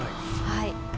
はい。